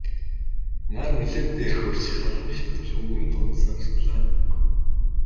Нар нэлээд дээр хөөрч халуун шатавч өвгөн дурандсаар суулаа.